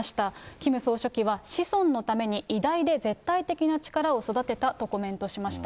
キム総書記は子孫のために偉大で絶対的な力を育てたとコメントしました。